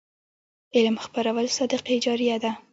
علم خپرول صدقه جاریه ده.